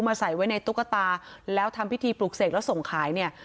ใส่ไว้ในตุ๊กตาแล้วทำพิธีปลูกเสกแล้วส่งขายเนี่ย